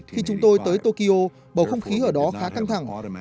khi chúng tôi tới tokyo bầu không khí ở đó khá căng thẳng